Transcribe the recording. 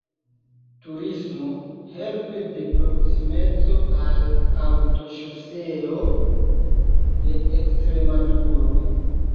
Turismo, helpe de proksimeco al Aŭtoŝoseo de Ekstremaduro.